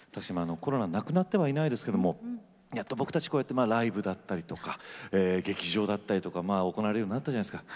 コロナはなくなってはいないですけれどもこうやってライブとか劇場とか行われるようになったじゃないですか。